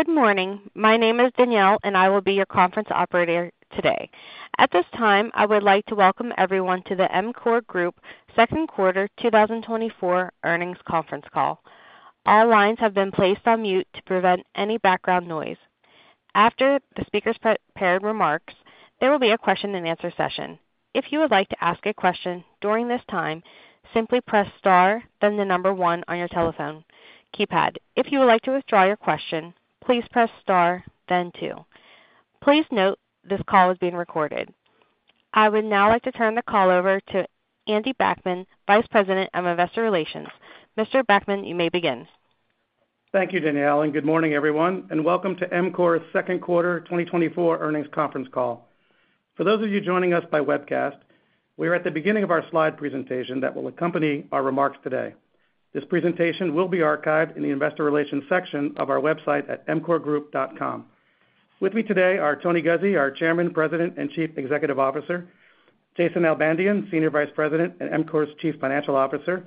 Good morning. My name is Danielle, and I will be your conference operator today. At this time, I would like to welcome everyone to the EMCOR Group Second Quarter 2024 earnings conference call. All lines have been placed on mute to prevent any background noise. After the speaker's prepared remarks, there will be a question-and-answer session. If you would like to ask a question during this time, simply press star, then the number one on your telephone keypad. If you would like to withdraw your question, please press star, then two. Please note this call is being recorded. I would now like to turn the call over to Andy Backman, Vice President of Investor Relations. Mr. Backman, you may begin. Thank you, Danielle, and good morning, everyone, and welcome to EMCOR's Second Quarter 2024 earnings conference call. For those of you joining us by webcast, we are at the beginning of our slide presentation that will accompany our remarks today. This presentation will be archived in the Investor Relations section of our website at emcorgroup.com. With me today are Tony Guzzi, our Chairman, President, and Chief Executive Officer; Jason Nalbandian, Senior Vice President and EMCOR's Chief Financial Officer;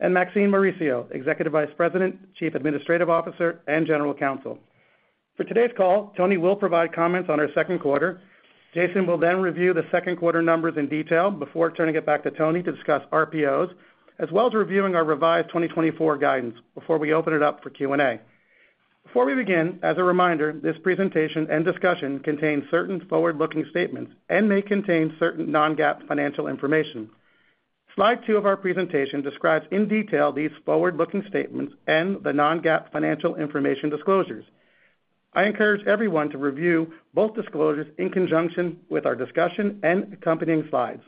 and Maxine Mauricio, Executive Vice President, Chief Administrative Officer, and General Counsel. For today's call, Tony will provide comments on our second quarter. Jason will then review the second quarter numbers in detail before turning it back to Tony to discuss RPOs, as well as reviewing our revised 2024 guidance before we open it up for Q&A. Before we begin, as a reminder, this presentation and discussion contain certain forward-looking statements and may contain certain Non-GAAP financial information. Slide two of our presentation describes in detail these forward-looking statements and the Non-GAAP financial information disclosures. I encourage everyone to review both disclosures in conjunction with our discussion and accompanying slides.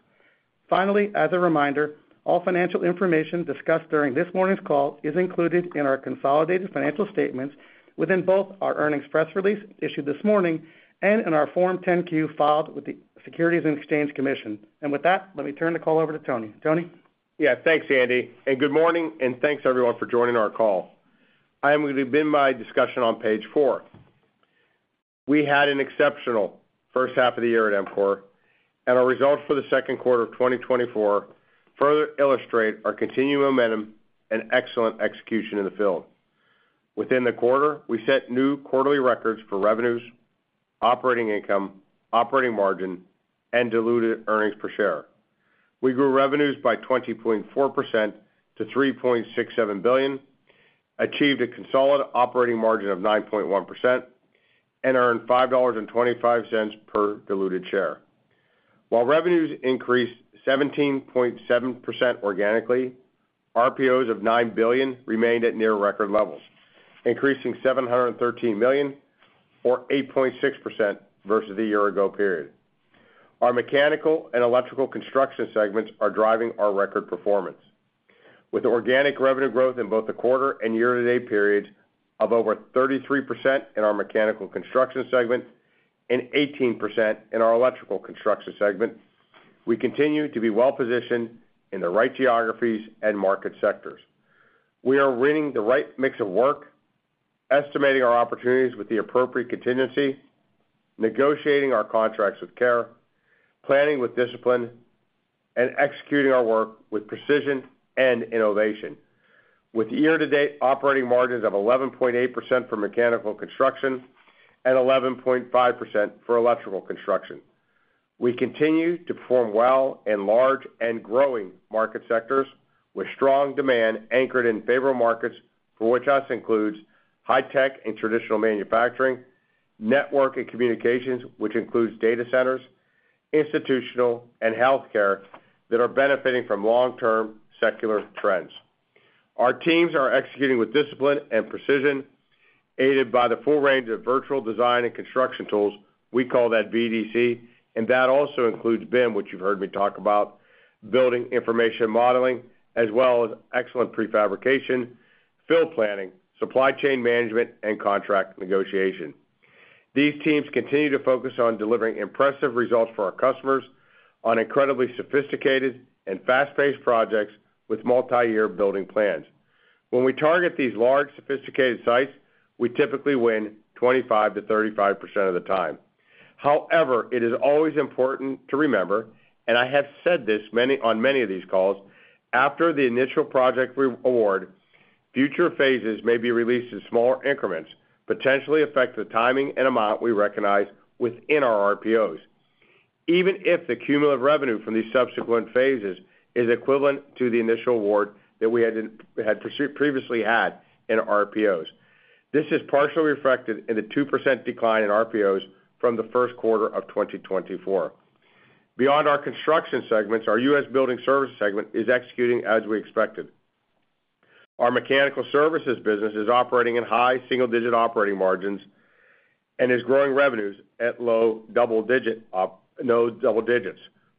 Finally, as a reminder, all financial information discussed during this morning's call is included in our consolidated financial statements within both our earnings press release issued this morning and in our Form 10-Q filed with the Securities and Exchange Commission. And with that, let me turn the call over to Tony. Tony? Yeah, thanks, Andy. Good morning, and thanks everyone for joining our call. I am going to begin my discussion on page 4. We had an exceptional first half of the year at EMCOR, and our results for the second quarter of 2024 further illustrate our continued momentum and excellent execution in the field. Within the quarter, we set new quarterly records for revenues, operating income, operating margin, and diluted earnings per share. We grew revenues by 20.4% to $3.67 billion, achieved a consolidated operating margin of 9.1%, and earned $5.25 per diluted share. While revenues increased 17.7% organically, RPOs of $9 billion remained at near record levels, increasing $713 million, or 8.6% versus the year-ago period. Our mechanical and electrical construction segments are driving our record performance. With organic revenue growth in both the quarter and year-to-date periods of over 33% in our mechanical construction segment and 18% in our electrical construction segment, we continue to be well-positioned in the right geographies and market sectors. We are winning the right mix of work, estimating our opportunities with the appropriate contingency, negotiating our contracts with care, planning with discipline, and executing our work with precision and innovation. With year-to-date operating margins of 11.8% for mechanical construction and 11.5% for electrical construction, we continue to perform well in large and growing market sectors with strong demand anchored in favorable markets for which us includes high-tech and traditional manufacturing, network and communications, which includes data centers, institutional, and healthcare that are benefiting from long-term secular trends. Our teams are executing with discipline and precision, aided by the full range of Virtual Design and Construction tools we call that VDC, and that also includes BIM, which you've heard me talk about, Building Information Modeling, as well as excellent prefabrication, field planning, supply chain management, and contract negotiation. These teams continue to focus on delivering impressive results for our customers on incredibly sophisticated and fast-paced projects with multi-year building plans. When we target these large, sophisticated sites, we typically win 25%-35% of the time. However, it is always important to remember, and I have said this on many of these calls, after the initial project award, future phases may be released in smaller increments, potentially affecting the timing and amount we recognize within our RPOs, even if the cumulative revenue from these subsequent phases is equivalent to the initial award that we had previously had in RPOs. This is partially reflected in the 2% decline in RPOs from the first quarter of 2024. Beyond our construction segments, our U.S. Building Services segment is executing as we expected. Our mechanical services business is operating in high single-digit operating margins and is growing revenues at low double digits.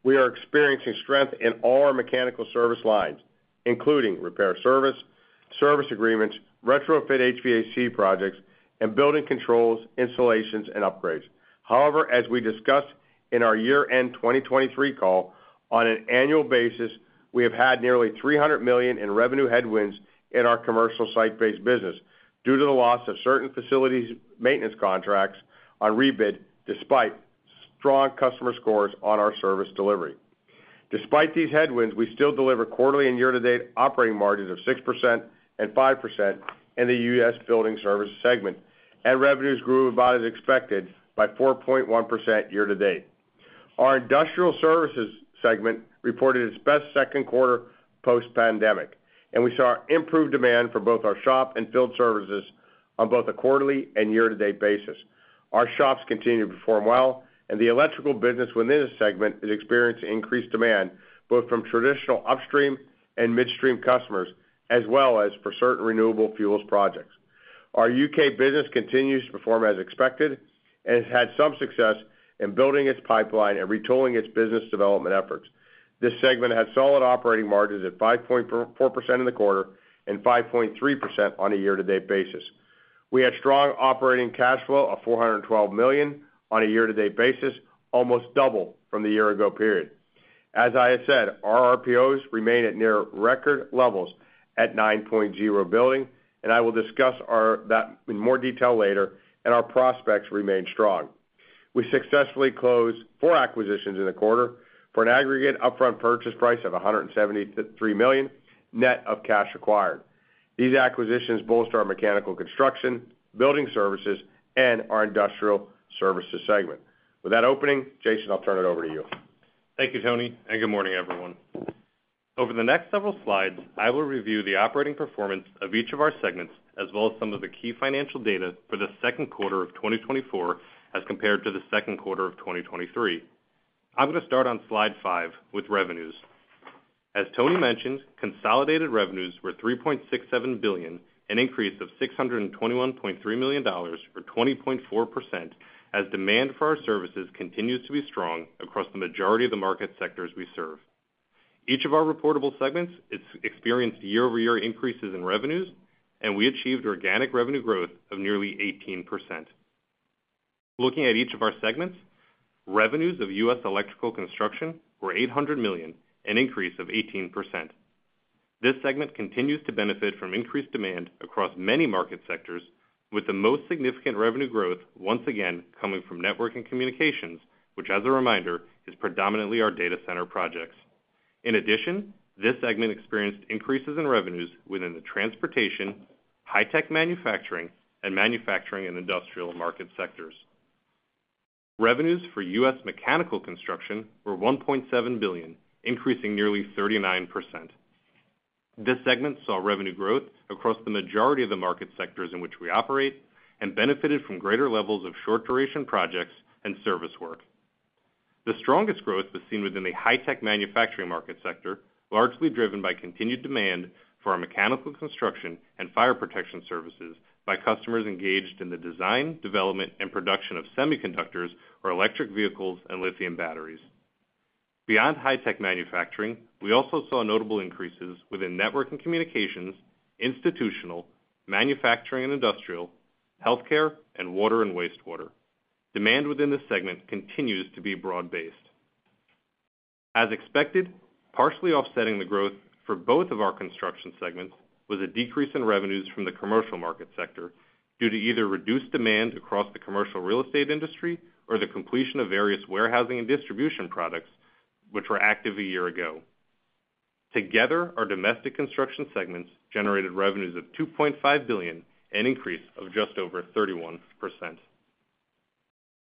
We are experiencing strength in all our mechanical service lines, including repair service, service agreements, retrofit HVAC projects, and building controls, installations, and upgrades. However, as we discussed in our year-end 2023 call, on an annual basis, we have had nearly $300 million in revenue headwinds in our commercial site-based business due to the loss of certain facilities' maintenance contracts on rebid despite strong customer scores on our service delivery. Despite these headwinds, we still deliver quarterly and year-to-date operating margins of 6% and 5% in the U.S. building service segment, and revenues grew about as expected by 4.1% year-to-date. Our industrial services segment reported its best second quarter post-pandemic, and we saw improved demand for both our shop and field services on both a quarterly and year-to-date basis. Our shops continue to perform well, and the electrical business within this segment is experiencing increased demand both from traditional upstream and midstream customers, as well as for certain renewable fuels projects. Our U.K. business continues to perform as expected and has had some success in building its pipeline and retooling its business development efforts. This segment had solid operating margins at 5.4% in the quarter and 5.3% on a year-to-date basis. We had strong operating cash flow of $412 million on a year-to-date basis, almost double from the year-ago period. As I had said, our RPOs remain at near record levels at $9.0 billion, and I will discuss that in more detail later, and our prospects remain strong. We successfully closed 4 acquisitions in the quarter for an aggregate upfront purchase price of $173 million net of cash acquired. These acquisitions bolster our mechanical construction, building services, and our industrial services segment. With that opening, Jason, I'll turn it over to you. Thank you, Tony, and good morning, everyone. Over the next several slides, I will review the operating performance of each of our segments, as well as some of the key financial data for the second quarter of 2024 as compared to the second quarter of 2023. I'm going to start on slide 5 with revenues. As Tony mentioned, consolidated revenues were $3.67 billion, an increase of $621.3 million or 20.4%, as demand for our services continues to be strong across the majority of the market sectors we serve. Each of our reportable segments experienced year-over-year increases in revenues, and we achieved organic revenue growth of nearly 18%. Looking at each of our segments, revenues of U.S. Electrical Construction were $800 million, an increase of 18%. This segment continues to benefit from increased demand across many market sectors, with the most significant revenue growth once again coming from network and communications, which, as a reminder, is predominantly our data center projects. In addition, this segment experienced increases in revenues within the transportation, high-tech manufacturing, and manufacturing and industrial market sectors. Revenues for U.S. Mechanical Construction were $1.7 billion, increasing nearly 39%. This segment saw revenue growth across the majority of the market sectors in which we operate and benefited from greater levels of short-duration projects and service work. The strongest growth was seen within the high-tech manufacturing market sector, largely driven by continued demand for our mechanical construction and fire protection services by customers engaged in the design, development, and production of semiconductors or electric vehicles and lithium batteries. Beyond high-tech manufacturing, we also saw notable increases within network and communications, institutional, manufacturing and industrial, healthcare, and water and wastewater. Demand within this segment continues to be broad-based. As expected, partially offsetting the growth for both of our construction segments was a decrease in revenues from the commercial market sector due to either reduced demand across the commercial real estate industry or the completion of various warehousing and distribution products, which were active a year ago. Together, our domestic construction segments generated revenues of $2.5 billion, an increase of just over 31%.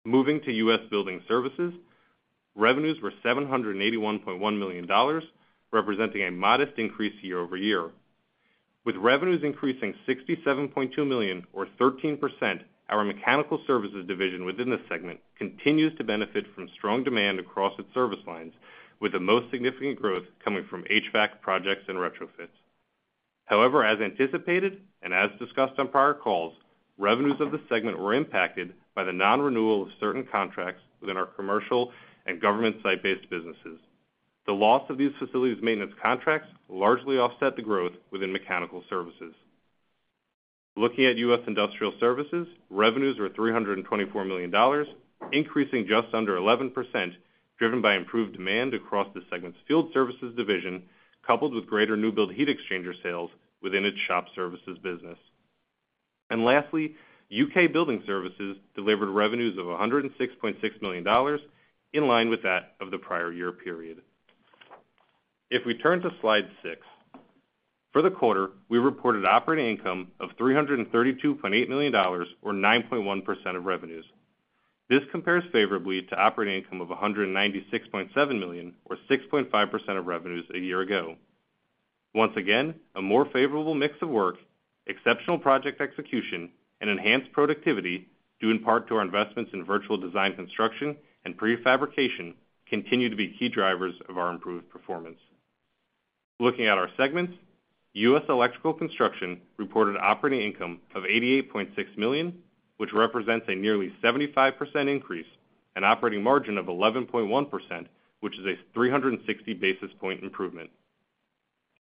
Moving to U.S. building services, revenues were $781.1 million, representing a modest increase year-over-year. With revenues increasing $67.2 million, or 13%, our mechanical services division within this segment continues to benefit from strong demand across its service lines, with the most significant growth coming from HVAC projects and retrofits. However, as anticipated and as discussed on prior calls, revenues of the segment were impacted by the non-renewal of certain contracts within our commercial and government site-based businesses. The loss of these facilities' maintenance contracts largely offset the growth within mechanical services. Looking at U.S. Industrial Services, revenues were $324 million, increasing just under 11%, driven by improved demand across the segment's field services division, coupled with greater new-build heat exchanger sales within its shop services business. Lastly, U.K. Building Services delivered revenues of $106.6 million in line with that of the prior year period. If we turn to slide six, for the quarter, we reported operating income of $332.8 million, or 9.1% of revenues. This compares favorably to operating income of $196.7 million, or 6.5% of revenues a year ago. Once again, a more favorable mix of work, exceptional project execution, and enhanced productivity, due in part to our investments in virtual design construction and prefabrication, continue to be key drivers of our improved performance. Looking at our segments, U.S. electrical construction reported operating income of $88.6 million, which represents a nearly 75% increase, an operating margin of 11.1%, which is a 360 basis point improvement.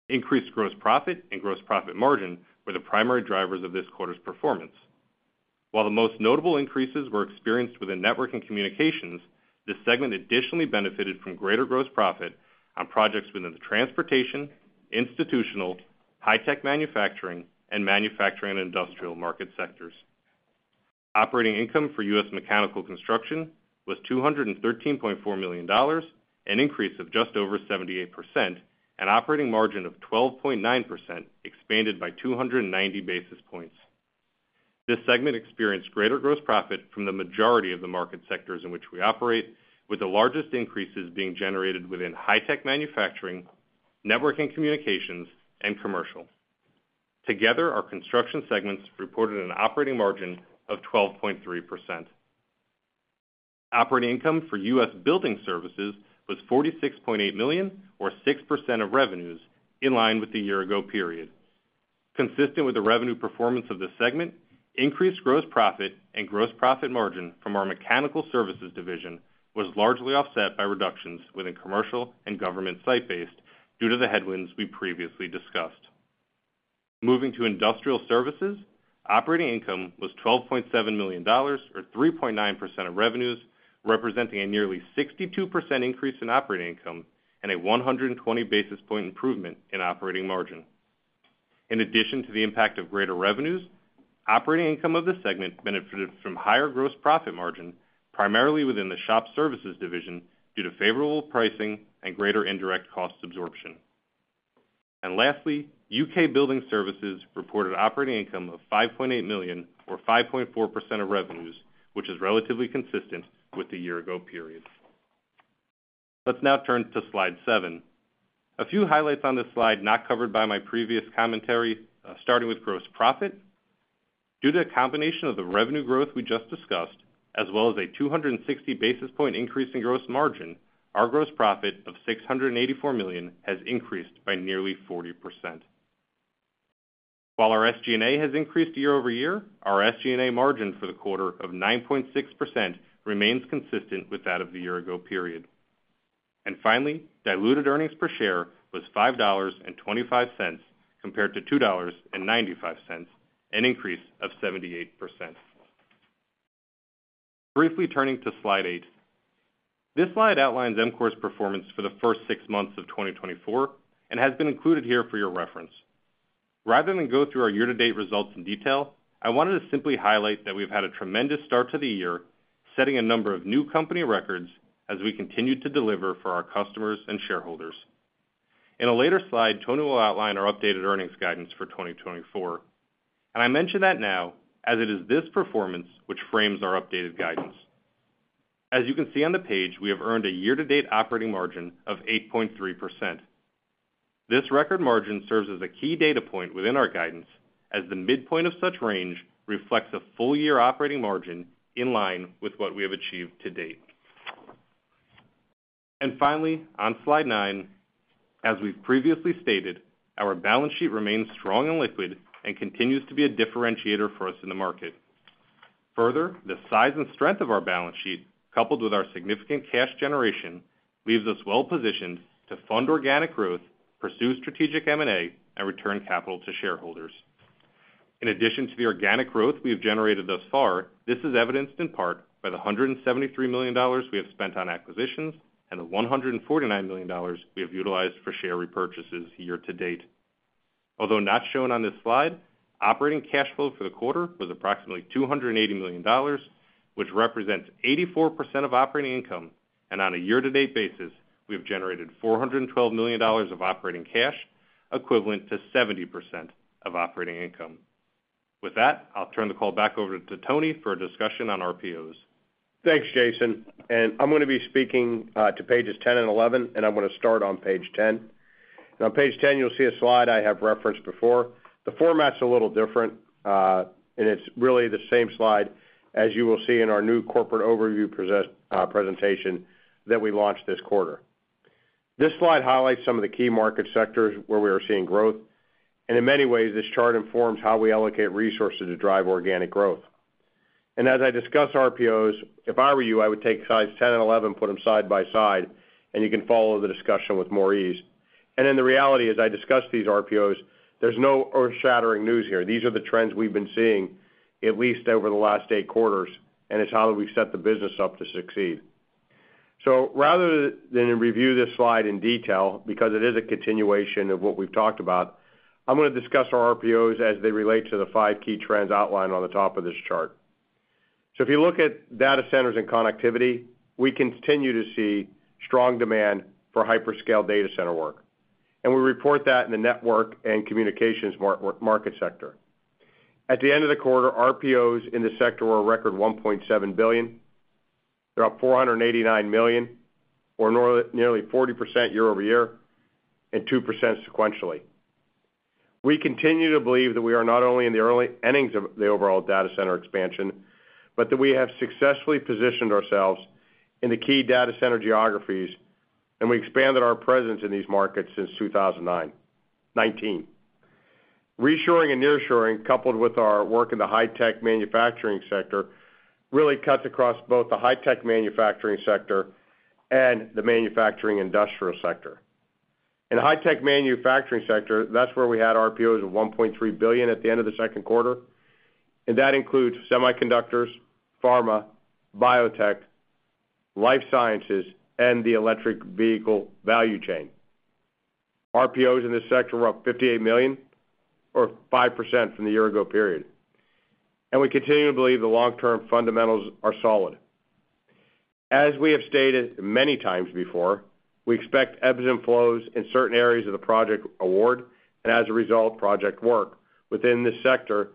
Increased gross profit and gross profit margin were the primary drivers of this quarter's performance. While the most notable increases were experienced within network and communications, this segment additionally benefited from greater gross profit on projects within the transportation, institutional, high-tech manufacturing, and manufacturing and industrial market sectors. Operating income for U.S. Mechanical Construction was $213.4 million, an increase of just over 78%, and operating margin of 12.9% expanded by 290 basis points. This segment experienced greater gross profit from the majority of the market sectors in which we operate, with the largest increases being generated within high-tech manufacturing, network and communications, and commercial. Together, our construction segments reported an operating margin of 12.3%. Operating income for U.S. building services was $46.8 million, or 6% of revenues, in line with the year-ago period. Consistent with the revenue performance of this segment, increased gross profit and gross profit margin from our mechanical services division was largely offset by reductions within commercial and government site-based due to the headwinds we previously discussed. Moving to industrial services, operating income was $12.7 million, or 3.9% of revenues, representing a nearly 62% increase in operating income and a 120 basis point improvement in operating margin. In addition to the impact of greater revenues, operating income of this segment benefited from higher gross profit margin, primarily within the shop services division, due to favorable pricing and greater indirect cost absorption. And lastly, U.K. building services reported operating income of $5.8 million, or 5.4% of revenues, which is relatively consistent with the year-ago period. Let's now turn to slide seven. A few highlights on this slide not covered by my previous commentary, starting with gross profit. Due to a combination of the revenue growth we just discussed, as well as a 260 basis point increase in gross margin, our gross profit of $684 million has increased by nearly 40%. While our SG&A has increased year-over-year, our SG&A margin for the quarter of 9.6% remains consistent with that of the year-ago period. And finally, diluted earnings per share was $5.25 compared to $2.95, an increase of 78%. Briefly turning to slide 8. This slide outlines EMCOR's performance for the first 6 months of 2024 and has been included here for your reference. Rather than go through our year-to-date results in detail, I wanted to simply highlight that we've had a tremendous start to the year, setting a number of new company records as we continue to deliver for our customers and shareholders. In a later slide, Tony will outline our updated earnings guidance for 2024. I mention that now as it is this performance which frames our updated guidance. As you can see on the page, we have earned a year-to-date operating margin of 8.3%. This record margin serves as a key data point within our guidance, as the midpoint of such range reflects a full-year operating margin in line with what we have achieved to date. Finally, on slide nine, as we've previously stated, our balance sheet remains strong and liquid and continues to be a differentiator for us in the market. Further, the size and strength of our balance sheet, coupled with our significant cash generation, leaves us well-positioned to fund organic growth, pursue strategic M&A, and return capital to shareholders. In addition to the organic growth we have generated thus far, this is evidenced in part by the $173 million we have spent on acquisitions and the $149 million we have utilized for share repurchases year-to-date. Although not shown on this slide, operating cash flow for the quarter was approximately $280 million, which represents 84% of operating income. On a year-to-date basis, we have generated $412 million of operating cash, equivalent to 70% of operating income. With that, I'll turn the call back over to Tony for a discussion on RPOs. Thanks, Jason. I'm going to be speaking to pages 10 and 11, and I'm going to start on page 10. On page 10, you'll see a slide I have referenced before. The format's a little different, and it's really the same slide as you will see in our new corporate overview presentation that we launched this quarter. This slide highlights some of the key market sectors where we are seeing growth. In many ways, this chart informs how we allocate resources to drive organic growth. As I discuss RPOs, if I were you, I would take slides 10 and 11, put them side by side, and you can follow the discussion with more ease. In the reality as I discuss these RPOs, there's no earth-shattering news here. These are the trends we've been seeing, at least over the last eight quarters, and it's how we've set the business up to succeed. So rather than review this slide in detail, because it is a continuation of what we've talked about, I'm going to discuss our RPOs as they relate to the five key trends outlined on the top of this chart. So if you look at data centers and connectivity, we continue to see strong demand for hyperscale data center work. And we report that in the network and communications market sector. At the end of the quarter, RPOs in the sector were a record $1.7 billion. They're up $489 million, or nearly 40% year-over-year and 2% sequentially. We continue to believe that we are not only in the early innings of the overall data center expansion, but that we have successfully positioned ourselves in the key data center geographies, and we expanded our presence in these markets since 2019. Reshoring and nearshoring, coupled with our work in the high-tech manufacturing sector, really cuts across both the high-tech manufacturing sector and the manufacturing industrial sector. In the high-tech manufacturing sector, that's where we had RPOs of $1.3 billion at the end of the second quarter. And that includes semiconductors, pharma, biotech, life sciences, and the electric vehicle value chain. RPOs in this sector were up $58 million, or 5% from the year-ago period. We continue to believe the long-term fundamentals are solid. As we have stated many times before, we expect ebbs and flows in certain areas of the project award and, as a result, project work within this sector,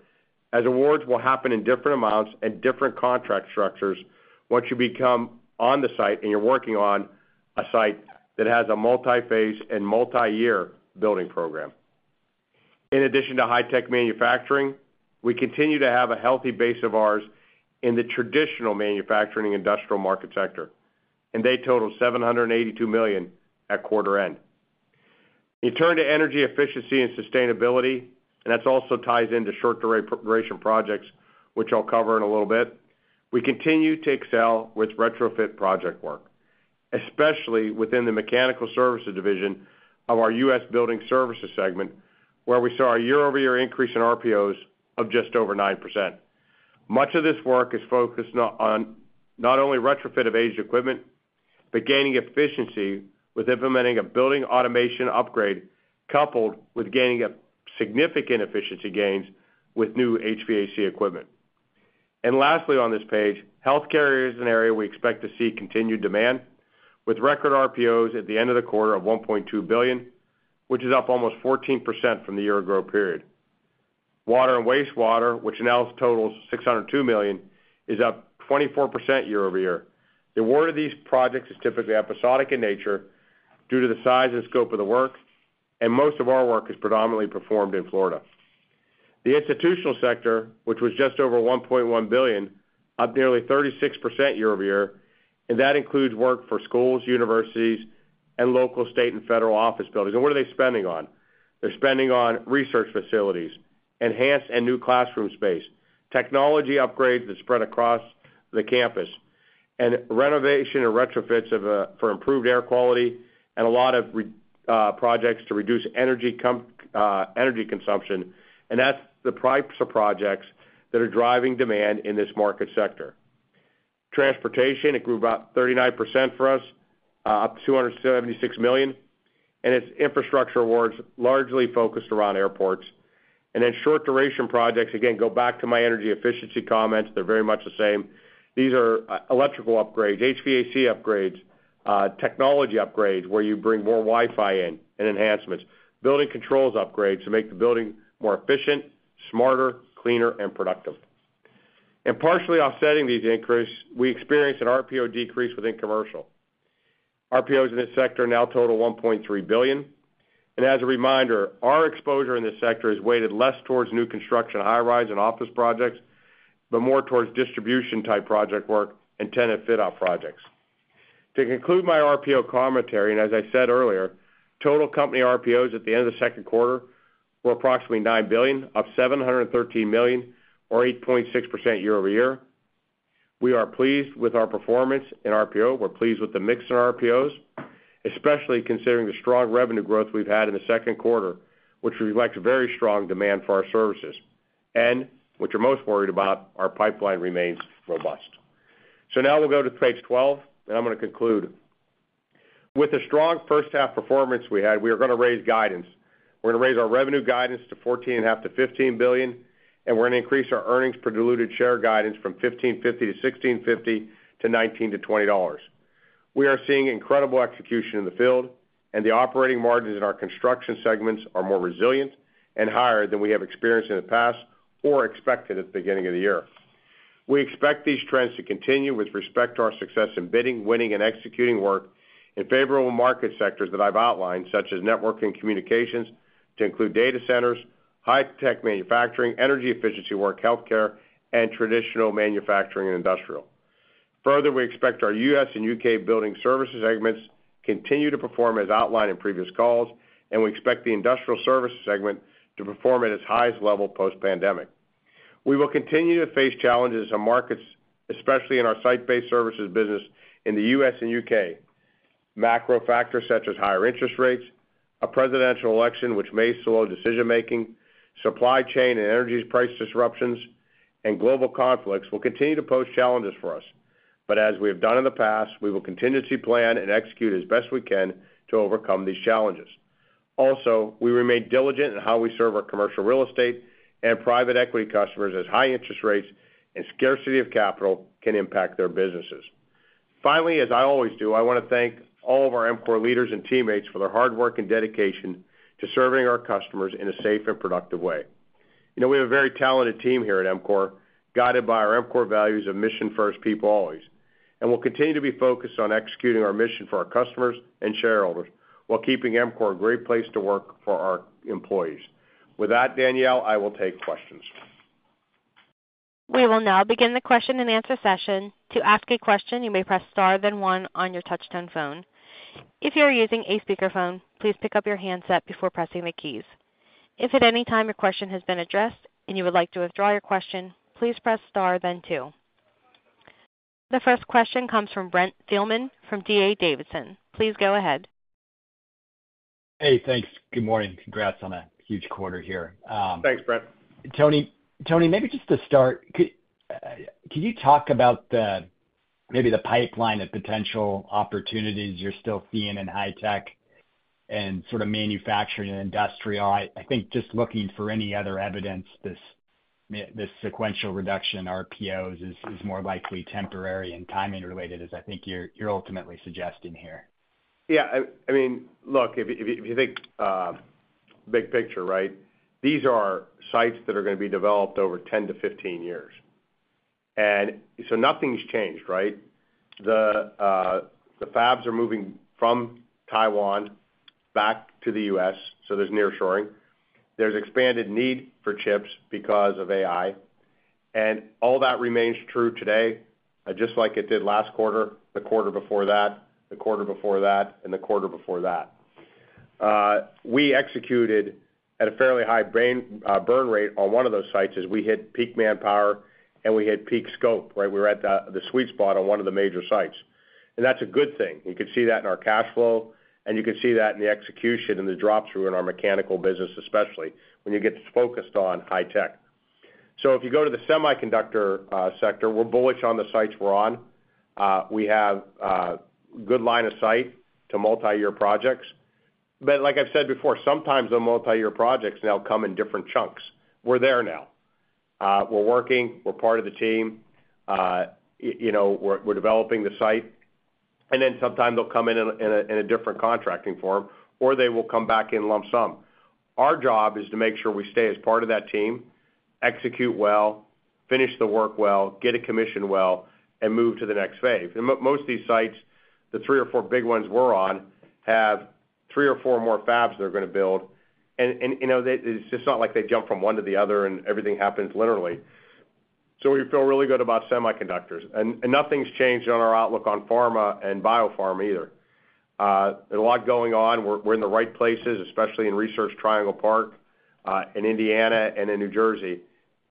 as awards will happen in different amounts and different contract structures once you become on the site and you're working on a site that has a multi-phase and multi-year building program. In addition to high-tech manufacturing, we continue to have a healthy base of ours in the traditional manufacturing industrial market sector, and they total $782 million at quarter end. You turn to energy efficiency and sustainability, and that also ties into short-term duration projects, which I'll cover in a little bit. We continue to excel with retrofit project work, especially within the mechanical services division of our U.S. building services segment, where we saw a year-over-year increase in RPOs of just over 9%. Much of this work is focused on not only retrofit of aged equipment, but gaining efficiency with implementing a building automation upgrade, coupled with gaining significant efficiency gains with new HVAC equipment. And lastly on this page, healthcare is an area we expect to see continued demand, with record RPOs at the end of the quarter of $1.2 billion, which is up almost 14% from the year-ago period. Water and wastewater, which in total totals $602 million, is up 24% year-over-year. The award of these projects is typically episodic in nature due to the size and scope of the work, and most of our work is predominantly performed in Florida. The institutional sector, which was just over $1.1 billion, up nearly 36% year-over-year, and that includes work for schools, universities, and local state and federal office buildings. And what are they spending on? They're spending on research facilities, enhanced and new classroom space, technology upgrades that spread across the campus, and renovation and retrofits for improved air quality, and a lot of projects to reduce energy consumption. That's the types of projects that are driving demand in this market sector. Transportation, it grew about 39% for us, up $276 million. Its infrastructure awards largely focused around airports. Then short-duration projects, again, go back to my energy efficiency comments. They're very much the same. These are electrical upgrades, HVAC upgrades, technology upgrades, where you bring more Wi-Fi in and enhancements, building controls upgrades to make the building more efficient, smarter, cleaner, and productive. Partially offsetting these increases, we experience an RPO decrease within commercial. RPOs in this sector now total $1.3 billion. As a reminder, our exposure in this sector is weighted less towards new construction, high-rise, and office projects, but more towards distribution-type project work and tenant fit-out projects. To conclude my RPO commentary, and as I said earlier, total company RPOs at the end of the second quarter were approximately $9 billion, up $713 million, or 8.6% year-over-year. We are pleased with our performance in RPO. We're pleased with the mix in RPOs, especially considering the strong revenue growth we've had in the second quarter, which reflects very strong demand for our services. And which we're most worried about, our pipeline remains robust. Now we'll go to page 12, and I'm going to conclude. With the strong first-half performance we had, we are going to raise guidance. We're going to raise our revenue guidance to $14.5-$15 billion, and we're going to increase our earnings per diluted share guidance from $15.50-$16.50 to $19.00-$20.00. We are seeing incredible execution in the field, and the operating margins in our construction segments are more resilient and higher than we have experienced in the past or expected at the beginning of the year. We expect these trends to continue with respect to our success in bidding, winning, and executing work in favorable market sectors that I've outlined, such as network and communications, to include data centers, high-tech manufacturing, energy efficiency work, healthcare, and traditional manufacturing and industrial. Further, we expect our U.S. and U.K. Building services segments continue to perform as outlined in previous calls, and we expect the industrial services segment to perform at its highest level post-pandemic. We will continue to face challenges in markets, especially in our site-based services business in the U.S. and U.K. Macro factors such as higher interest rates, a presidential election which may slow decision-making, supply chain and energy price disruptions, and global conflicts will continue to pose challenges for us. But as we have done in the past, we will continue to plan and execute as best we can to overcome these challenges. Also, we remain diligent in how we serve our commercial real estate and private equity customers as high interest rates and scarcity of capital can impact their businesses. Finally, as I always do, I want to thank all of our EMCOR leaders and teammates for their hard work and dedication to serving our customers in a safe and productive way. We have a very talented team here at EMCOR, guided by our EMCOR values of Mission First, People Always. We'll continue to be focused on executing our mission for our customers and shareholders while keeping EMCOR a great place to work for our employees. With that, Danielle, I will take questions. We will now begin the question and answer session. To ask a question, you may press star then one on your touch-tone phone. If you're using a speakerphone, please pick up your handset before pressing the keys. If at any time your question has been addressed and you would like to withdraw your question, please press star then two. The first question comes from Brent Thielman from D.A. Davidson. Please go ahead. Hey, thanks. Good morning. Congrats on a huge quarter here. Thanks, Brent. Tony, maybe just to start, could you talk about maybe the pipeline of potential opportunities you're still seeing in high-tech and sort of manufacturing and industrial? I think just looking for any other evidence, this sequential reduction in RPOs is more likely temporary and timing-related, as I think you're ultimately suggesting here. Yeah. I mean, look, if you think big picture, right, these are sites that are going to be developed over 10-15 years. And so nothing's changed, right? The fabs are moving from Taiwan back to the U.S., so there's nearshoring. There's expanded need for chips because of AI. And all that remains true today, just like it did last quarter, the quarter before that, the quarter before that, and the quarter before that. We executed at a fairly high burn rate on one of those sites as we hit peak manpower and we hit peak scope, right? We were at the sweet spot on one of the major sites. And that's a good thing. You could see that in our cash flow, and you could see that in the execution and the drop-through in our mechanical business, especially when you get focused on high-tech. So if you go to the semiconductor sector, we're bullish on the sites we're on. We have a good line of sight to multi-year projects. But like I've said before, sometimes the multi-year projects now come in different chunks. We're there now. We're working. We're part of the team. We're developing the site. And then sometimes they'll come in in a different contracting form, or they will come back in lump sum. Our job is to make sure we stay as part of that team, execute well, finish the work well, get a commission well, and move to the next phase. And most of these sites, the three or four big ones we're on, have three or four more fabs they're going to build. And it's just not like they jump from one to the other and everything happens literally. So we feel really good about semiconductors. And nothing's changed on our outlook on pharma and biopharma either. There's a lot going on. We're in the right places, especially in Research Triangle Park in Indiana and in New Jersey.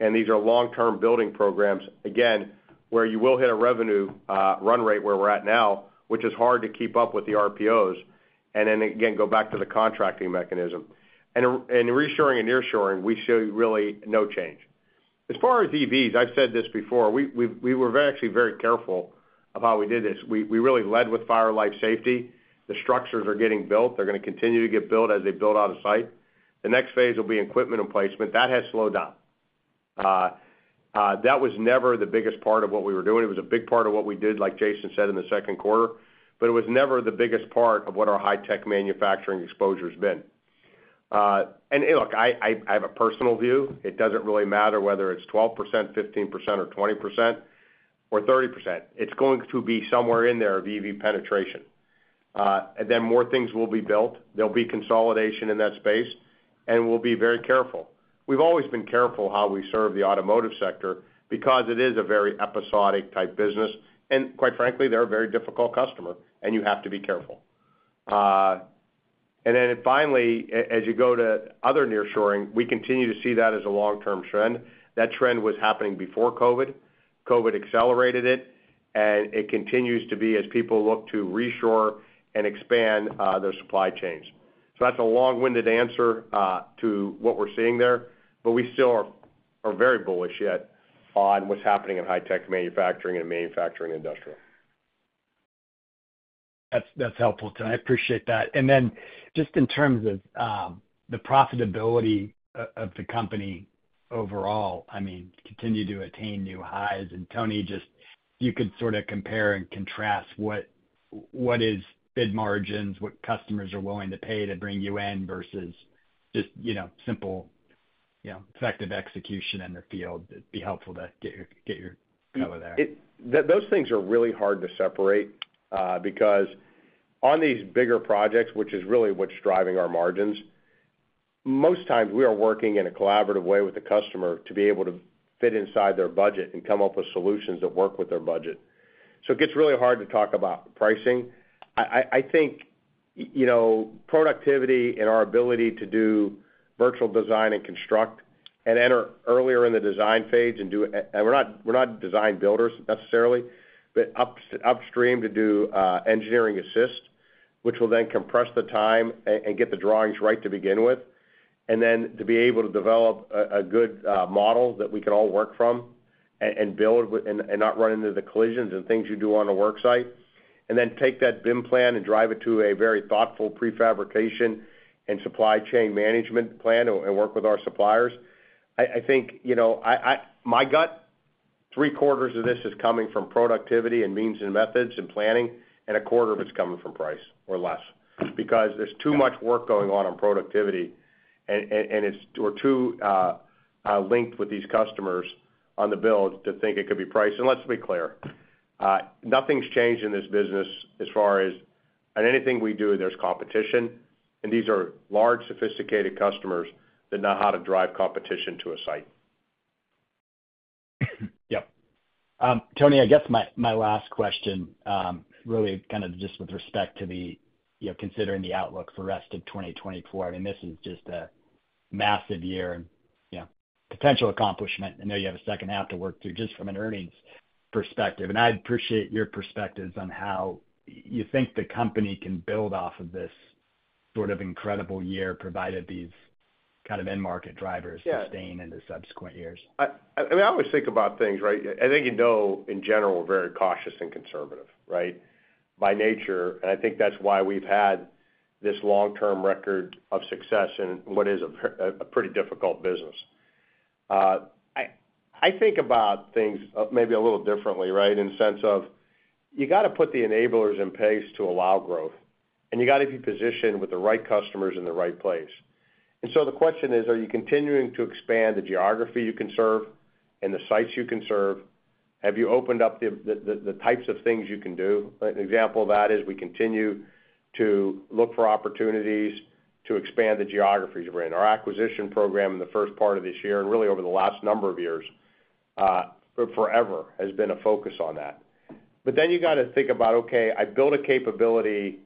And these are long-term building programs, again, where you will hit a revenue run rate where we're at now, which is hard to keep up with the RPOs. And then again, go back to the contracting mechanism. And reshoring and nearshoring, we show really no change. As far as EVs, I've said this before. We were actually very careful of how we did this. We really led with fire and life safety. The structures are getting built. They're going to continue to get built as they build out on site. The next phase will be equipment and placement. That has slowed down. That was never the biggest part of what we were doing. It was a big part of what we did, like Jason said in the second quarter. But it was never the biggest part of what our high-tech manufacturing exposure has been. And look, I have a personal view. It doesn't really matter whether it's 12%, 15%, or 20%, or 30%. It's going to be somewhere in there of EV penetration. And then more things will be built. There'll be consolidation in that space. And we'll be very careful. We've always been careful how we serve the automotive sector because it is a very episodic type business. And quite frankly, they're a very difficult customer, and you have to be careful. And then finally, as you go to other nearshoring, we continue to see that as a long-term trend. That trend was happening before COVID. COVID accelerated it, and it continues to be as people look to reshore and expand their supply chains. That's a long-winded answer to what we're seeing there, but we still are very bullish yet on what's happening in high-tech manufacturing and manufacturing industrial. That's helpful, Tony. I appreciate that. Then just in terms of the profitability of the company overall, I mean, continue to attain new highs. Tony, just if you could sort of compare and contrast what is bid margins, what customers are willing to pay to bring you in versus just simple effective execution in the field, it'd be helpful to get your take there. Those things are really hard to separate because on these bigger projects, which is really what's driving our margins, most times we are working in a collaborative way with the customer to be able to fit inside their budget and come up with solutions that work with their budget. So it gets really hard to talk about pricing. I think productivity and our ability to do Virtual Design and Construction and enter earlier in the design phase and do—and we're not design builders necessarily—but upstream to do engineering assist, which will then compress the time and get the drawings right to begin with. And then to be able to develop a good model that we can all work from and build and not run into the collisions and things you do on a work site. And then take that BIM plan and drive it to a very thoughtful prefabrication and supply chain management plan and work with our suppliers. I think my gut, three quarters of this is coming from productivity and means and methods and planning, and a quarter of it's coming from price or less because there's too much work going on on productivity, and we're too linked with these customers on the build to think it could be priced. And let's be clear. Nothing's changed in this business as far as - and anything we do, there's competition. And these are large, sophisticated customers that know how to drive competition to a site. Yep. Tony, I guess my last question really kind of just with respect to considering the outlook for the rest of 2024. I mean, this is just a massive year and potential accomplishment. I know you have a second half to work through just from an earnings perspective. I appreciate your perspectives on how you think the company can build off of this sort of incredible year, provided these kind of end market drivers sustain in the subsequent years. I mean, I always think about things, right? I think in general, we're very cautious and conservative, right? By nature. And I think that's why we've had this long-term record of success in what is a pretty difficult business. I think about things maybe a little differently, right, in the sense of you got to put the enablers in place to allow growth, and you got to be positioned with the right customers in the right place. And so the question is, are you continuing to expand the geography you can serve and the sites you can serve? Have you opened up the types of things you can do? An example of that is we continue to look for opportunities to expand the geographies we're in. Our acquisition program in the first part of this year and really over the last number of years forever has been a focus on that. But then you got to think about, okay, I built a capability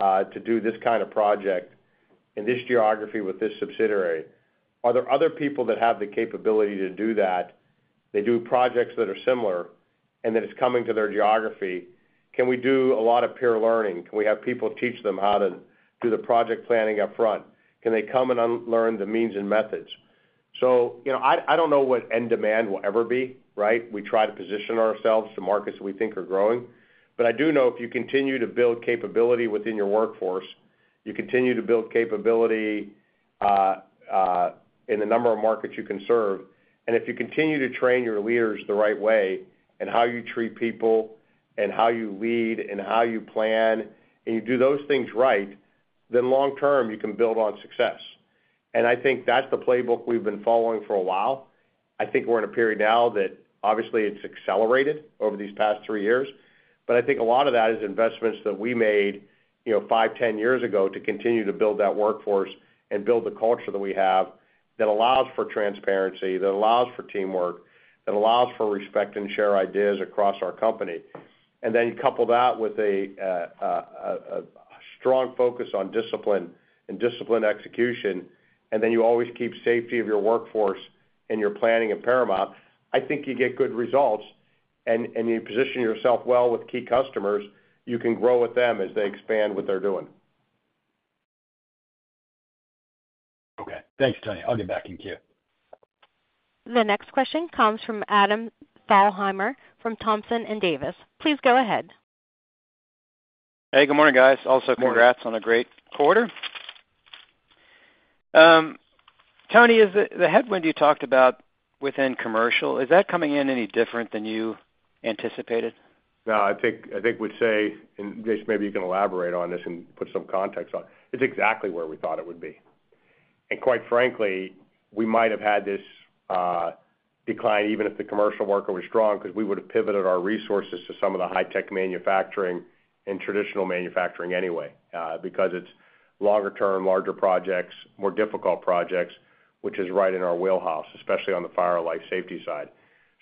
to do this kind of project in this geography with this subsidiary. Are there other people that have the capability to do that? They do projects that are similar and that it's coming to their geography. Can we do a lot of peer learning? Can we have people teach them how to do the project planning upfront? Can they come and learn the means and methods? So I don't know what end demand will ever be, right? We try to position ourselves to markets that we think are growing. But I do know if you continue to build capability within your workforce, you continue to build capability in the number of markets you can serve. And if you continue to train your leaders the right way and how you treat people and how you lead and how you plan and you do those things right, then long-term, you can build on success. And I think that's the playbook we've been following for a while. I think we're in a period now that obviously it's accelerated over these past three years. But I think a lot of that is investments that we made five, 10 years ago to continue to build that workforce and build the culture that we have that allows for transparency, that allows for teamwork, that allows for respect and share ideas across our company. Then you couple that with a strong focus on discipline and discipline execution, and then you always keep safety of your workforce and your planning at paramount. I think you get good results, and you position yourself well with key customers. You can grow with them as they expand what they're doing. Okay. Thanks, Tony. I'll get back in queue. The next question comes from Adam Thalhimer from Thompson & Davis. Please go ahead. Hey, good morning, guys. Also, congrats on a great quarter. Tony, the headwind you talked about within commercial, is that coming in any different than you anticipated? I think we'd say, and Jason, maybe you can elaborate on this and put some context on, it's exactly where we thought it would be. And quite frankly, we might have had this decline even if the commercial workforce was strong because we would have pivoted our resources to some of the high-tech manufacturing and traditional manufacturing anyway because it's longer-term, larger projects, more difficult projects, which is right in our wheelhouse, especially on the fire life safety side.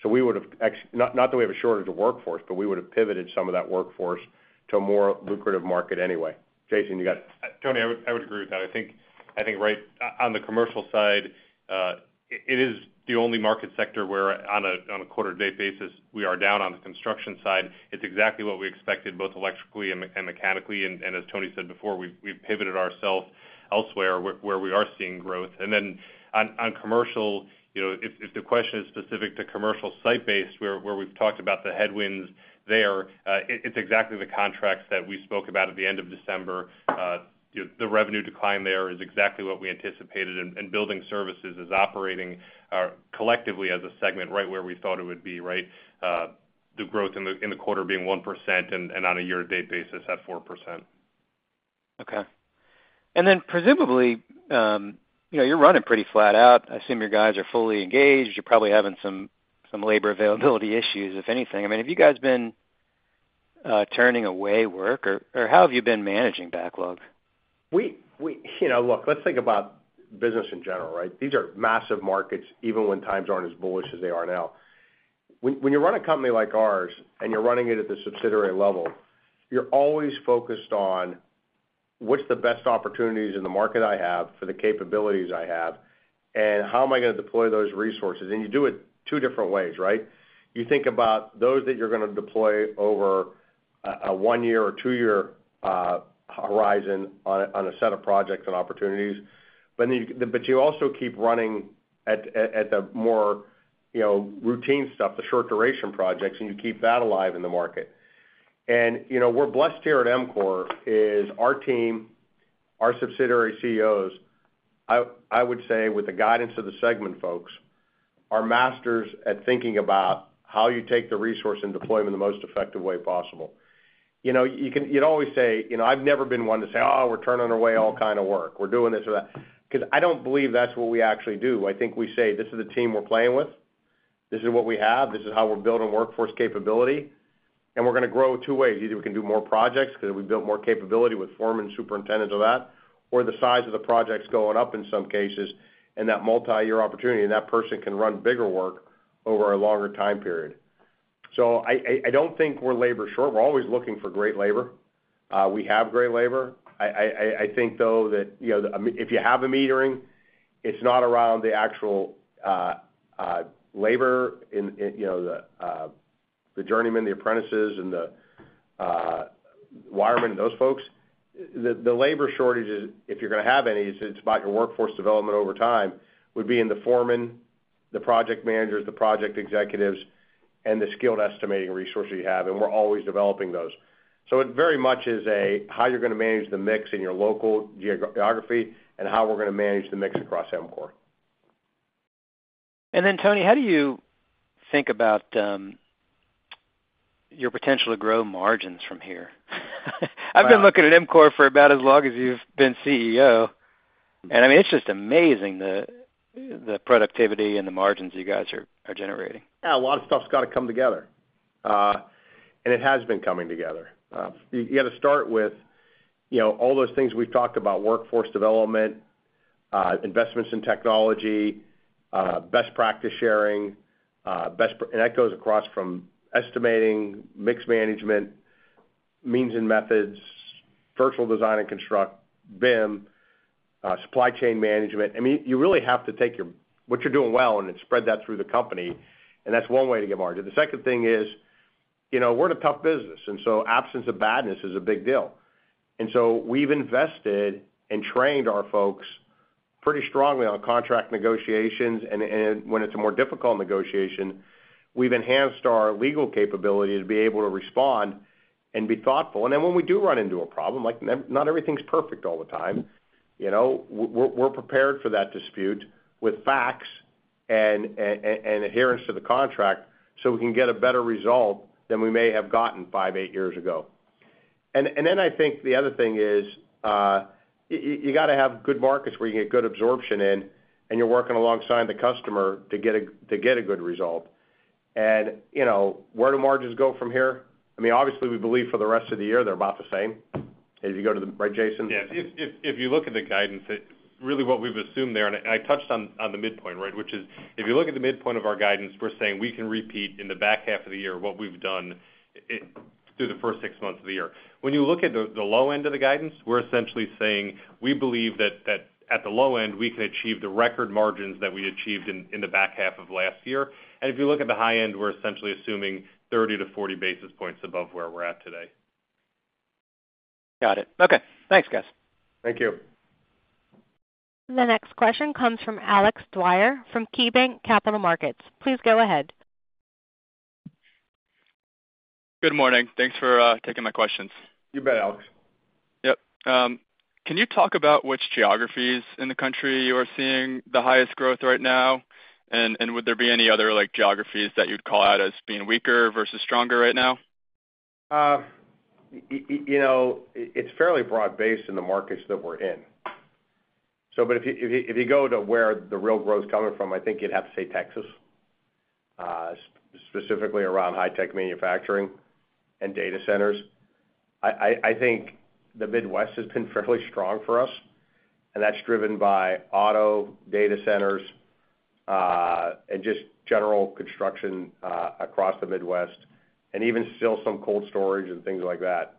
So we would have - not that we have a shortage of workforce, but we would have pivoted some of that workforce to a more lucrative market anyway. Jason, you got it. Tony, I would agree with that. I think right on the commercial side, it is the only market sector where on a quarter-to-date basis, we are down on the construction side. It's exactly what we expected, both electrically and mechanically. As Tony said before, we've pivoted ourselves elsewhere where we are seeing growth. Then on commercial, if the question is specific to commercial site-based, where we've talked about the headwinds there, it's exactly the contracts that we spoke about at the end of December. The revenue decline there is exactly what we anticipated, and building services is operating collectively as a segment right where we thought it would be, right? The growth in the quarter being 1% and on a year-to-date basis at 4%. Okay. And then presumably, you're running pretty flat out. I assume your guys are fully engaged. You're probably having some labor availability issues, if anything. I mean, have you guys been turning away work, or how have you been managing backlog? Look, let's think about business in general, right? These are massive markets, even when times aren't as bullish as they are now. When you run a company like ours and you're running it at the subsidiary level, you're always focused on what's the best opportunities in the market I have for the capabilities I have, and how am I going to deploy those resources? And you do it two different ways, right? You think about those that you're going to deploy over a one-year or two-year horizon on a set of projects and opportunities. But you also keep running at the more routine stuff, the short-duration projects, and you keep that alive in the market. And we're blessed here at EMCOR. Our team, our subsidiary CEOs, I would say with the guidance of the segment folks, are masters at thinking about how you take the resource and deploy them in the most effective way possible. You'd always say, "I've never been one to say, 'Oh, we're turning away all kind of work. We're doing this or that.'" Because I don't believe that's what we actually do. I think we say, "This is the team we're playing with. This is what we have. This is how we're building workforce capability. And we're going to grow two ways. Either we can do more projects because we built more capability with foremen and superintendents of that, or the size of the projects going up in some cases and that multi-year opportunity, and that person can run bigger work over a longer time period. So I don't think we're labor short. We're always looking for great labor. We have great labor. I think, though, that if you have a meeting, it's not around the actual labor, the journeymen, the apprentices, and the wiremen, those folks. The labor shortage, if you're going to have any, it's about your workforce development over time, would be in the foremen, the project managers, the project executives, and the skilled estimating resources you have. And we're always developing those. So it very much is how you're going to manage the mix in your local geography and how we're going to manage the mix across EMCOR. Then, Tony, how do you think about your potential to grow margins from here? I've been looking at EMCOR for about as long as you've been CEO. I mean, it's just amazing, the productivity and the margins you guys are generating. Yeah. A lot of stuff's got to come together. And it has been coming together. You got to start with all those things we've talked about: workforce development, investments in technology, best practice sharing. And that goes across from estimating, mixed management, means and methods, virtual design and construction, BIM, supply chain management. I mean, you really have to take what you're doing well and spread that through the company. And that's one way to get margin. The second thing is we're a tough business. And so absence of badness is a big deal. And so we've invested and trained our folks pretty strongly on contract negotiations. And when it's a more difficult negotiation, we've enhanced our legal capability to be able to respond and be thoughtful. And then when we do run into a problem, not everything's perfect all the time. We're prepared for that dispute with facts and adherence to the contract so we can get a better result than we may have gotten five, eight years ago. And then I think the other thing is you got to have good markets where you get good absorption in, and you're working alongside the customer to get a good result. And where do margins go from here? I mean, obviously, we believe for the rest of the year, they're about the same. If you go to the right, Jason? Yes. If you look at the guidance, really what we've assumed there, and I touched on the midpoint, right, which is if you look at the midpoint of our guidance, we're saying we can repeat in the back half of the year what we've done through the first six months of the year. When you look at the low end of the guidance, we're essentially saying we believe that at the low end, we can achieve the record margins that we achieved in the back half of last year. And if you look at the high end, we're essentially assuming 30-40 basis points above where we're at today. Got it. Okay. Thanks, guys. Thank you. The next question comes from Alex Dwyer from KeyBanc Capital Markets. Please go ahead. Good morning. Thanks for taking my questions. You bet, Alex. Yep. Can you talk about which geographies in the country you are seeing the highest growth right now? And would there be any other geographies that you'd call out as being weaker versus stronger right now? It's fairly broad-based in the markets that we're in. But if you go to where the real growth is coming from, I think you'd have to say Texas, specifically around high-tech manufacturing and data centers. I think the Midwest has been fairly strong for us, and that's driven by auto, data centers, and just general construction across the Midwest, and even still some cold storage and things like that.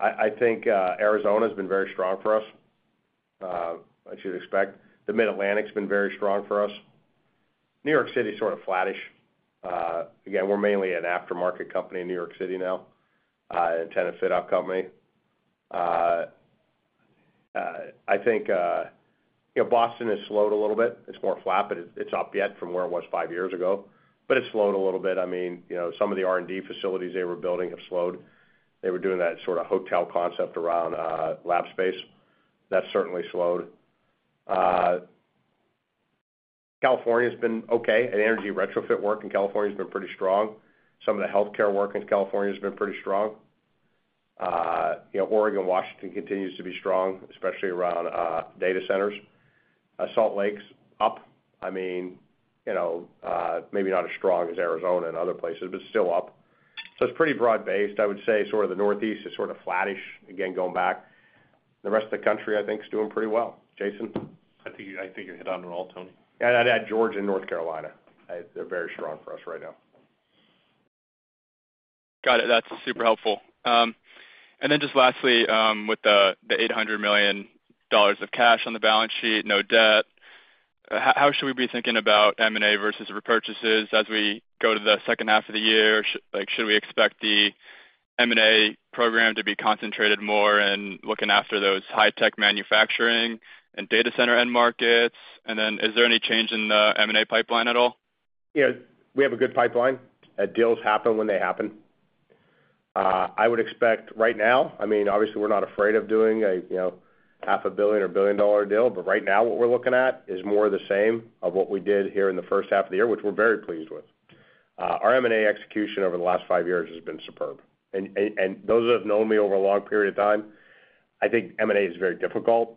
I think Arizona has been very strong for us, as you'd expect. The Mid-Atlantic has been very strong for us. New York City is sort of flattish. Again, we're mainly an aftermarket company in New York City now, a kind of fit-out company. I think Boston has slowed a little bit. It's more flat, but it's up yet from where it was five years ago. But it's slowed a little bit. I mean, some of the R&D facilities they were building have slowed. They were doing that sort of hotel concept around lab space. That's certainly slowed. California has been okay. Energy retrofit work in California has been pretty strong. Some of the healthcare work in California has been pretty strong. Oregon and Washington continues to be strong, especially around data centers. Salt Lake's up. I mean, maybe not as strong as Arizona and other places, but still up. So it's pretty broad-based. I would say sort of the Northeast is sort of flattish, again, going back. The rest of the country, I think, is doing pretty well. Jason? I think you hit on it all, Tony. Yeah. I'd add Georgia and North Carolina. They're very strong for us right now. Got it. That's super helpful. And then just lastly, with the $800 million of cash on the balance sheet, no debt, how should we be thinking about M&A versus repurchases as we go to the second half of the year? Should we expect the M&A program to be concentrated more in looking after those high-tech manufacturing and data center end markets? And then is there any change in the M&A pipeline at all? Yeah. We have a good pipeline. Deals happen when they happen. I would expect right now, I mean, obviously, we're not afraid of doing a $500 million or $1 billion deal, but right now, what we're looking at is more of the same of what we did here in the first half of the year, which we're very pleased with. Our M&A execution over the last 5 years has been superb. And those who have known me over a long period of time, I think M&A is very difficult.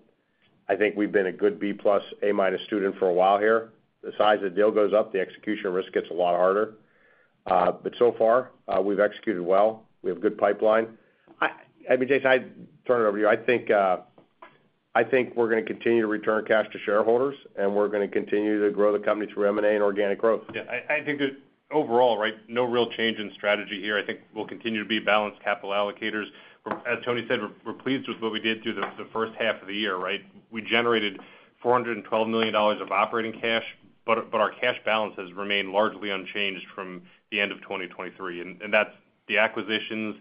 I think we've been a good B-plus, A-minus student for a while here. The size of the deal goes up, the execution risk gets a lot harder. But so far, we've executed well. We have a good pipeline. I mean, Jason, I'd turn it over to you. I think we're going to continue to return cash to shareholders, and we're going to continue to grow the company through M&A and organic growth. Yeah. I think overall, right, no real change in strategy here. I think we'll continue to be balanced capital allocators. As Tony said, we're pleased with what we did through the first half of the year, right? We generated $412 million of operating cash, but our cash balance has remained largely unchanged from the end of 2023. And that's the acquisitions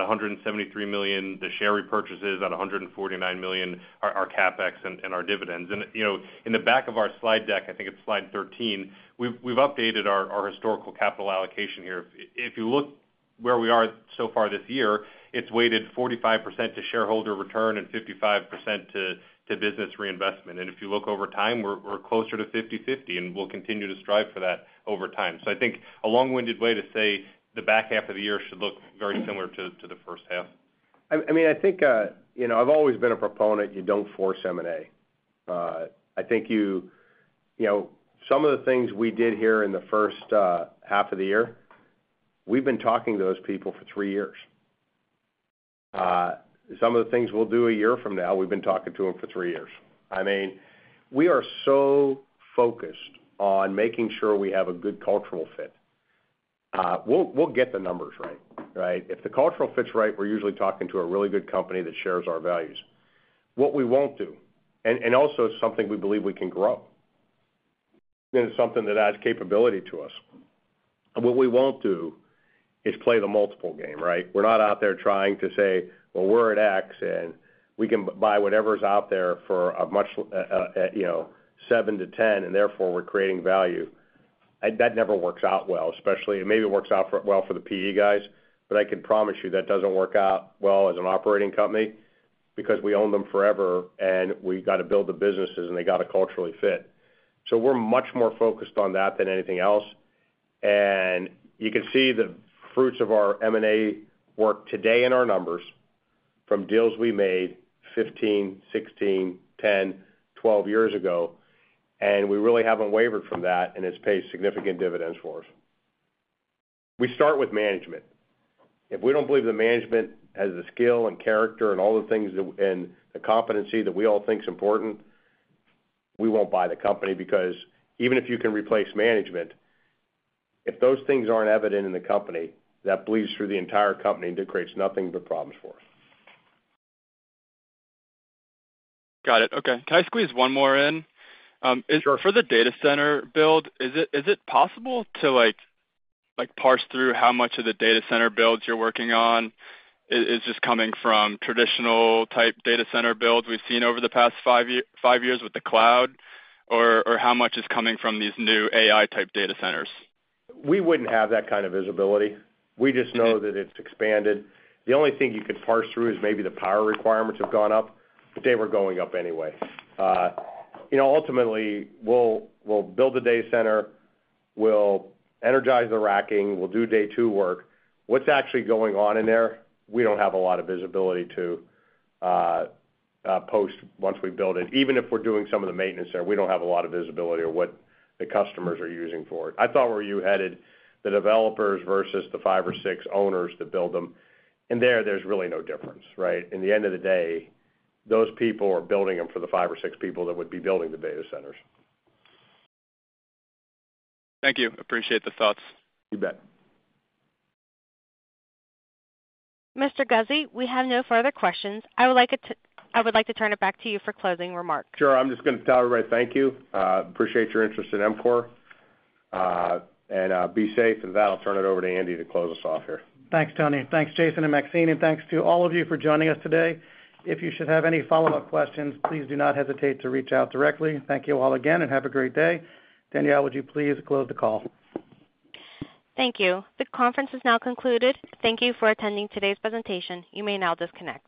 at $173 million, the share repurchases at $149 million, our CapEx, and our dividends. And in the back of our slide deck, I think it's slide 13, we've updated our historical capital allocation here. If you look where we are so far this year, it's weighted 45% to shareholder return and 55% to business reinvestment. And if you look over time, we're closer to 50/50, and we'll continue to strive for that over time. I think a long-winded way to say the back half of the year should look very similar to the first half. I mean, I think I've always been a proponent you don't force M&A. I think some of the things we did here in the first half of the year, we've been talking to those people for three years. Some of the things we'll do a year from now, we've been talking to them for three years. I mean, we are so focused on making sure we have a good cultural fit. We'll get the numbers right, right? If the cultural fits right, we're usually talking to a really good company that shares our values. What we won't do, and also something we believe we can grow, and it's something that adds capability to us. What we won't do is play the multiple game, right? We're not out there trying to say, "Well, we're at X, and we can buy whatever's out there for a much seven-10, and therefore, we're creating value." That never works out well, especially it maybe works out well for the PE guys, but I can promise you that doesn't work out well as an operating company because we own them forever, and we got to build the businesses, and they got to culturally fit. So we're much more focused on that than anything else. And you can see the fruits of our M&A work today in our numbers from deals we made 15, 16, 10, 12 years ago. And we really haven't wavered from that, and it's paid significant dividends for us. We start with management. If we don't believe the management has the skill and character and all the things and the competency that we all think is important, we won't buy the company because even if you can replace management, if those things aren't evident in the company, that bleeds through the entire company and creates nothing but problems for us. Got it. Okay. Can I squeeze one more in? For the data center build, is it possible to parse through how much of the data center builds you're working on is just coming from traditional-type data center builds we've seen over the past five years with the cloud, or how much is coming from these new AI-type data centers? We wouldn't have that kind of visibility. We just know that it's expanded. The only thing you could parse through is maybe the power requirements have gone up, but they were going up anyway. Ultimately, we'll build the data center. We'll energize the racking. We'll do Day two work. What's actually going on in there, we don't have a lot of visibility to post once we build it. Even if we're doing some of the maintenance there, we don't have a lot of visibility of what the customers are using for it. I thought where you headed, the developers versus the five or six owners that build them, and there there's really no difference, right? In the end of the day, those people are building them for the five or six people that would be building the data centers. Thank you. Appreciate the thoughts. You bet. Mr. Guzzi, we have no further questions. I would like to turn it back to you for closing remarks. Sure. I'm just going to tell everybody thank you. Appreciate your interest in EMCOR. Be safe. With that, I'll turn it over to Andy to close us off here. Thanks, Tony. Thanks, Jason and Maxine. Thanks to all of you for joining us today. If you should have any follow-up questions, please do not hesitate to reach out directly. Thank you all again, and have a great day. Danielle, would you please close the call? Thank you. The conference is now concluded. Thank you for attending today's presentation. You may now disconnect.